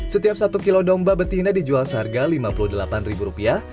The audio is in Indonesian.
setiap satu kilo domba betina dijual seharga lima puluh delapan ribu rupiah